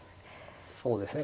そうですね。